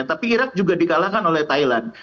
tapi irak juga di kalahkan oleh thailand